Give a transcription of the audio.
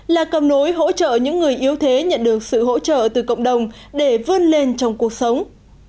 là cầm nối hỗ trợ những người yếu thế nhận được sự hỗ trợ từ cộng đồng để vươn lên trong cuộc sống